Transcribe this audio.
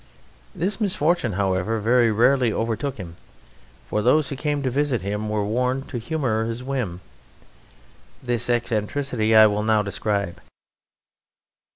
This misfortune, however, very rarely overtook him, for those who came to visit him were warned to humour his whim. This eccentricity I will now describe.